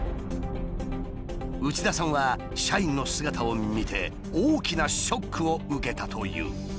内田さんは社員の姿を見て大きなショックを受けたという。